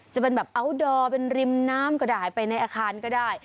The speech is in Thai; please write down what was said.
จะเป็นแบบอัลดอร์เป็นริมน้ำก็ได้ไปในอาคารก็ได้